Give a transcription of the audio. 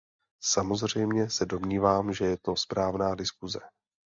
Samozřejmě se domnívám, že je to správná diskuse.